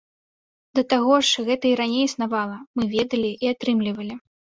Да таго ж, гэта і раней існавала, мы ведалі і атрымлівалі.